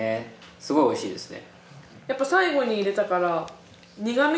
すごい美味しいですね。